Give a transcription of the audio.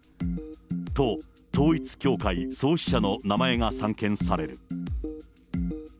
と、統一教会創始者の名前が散見される。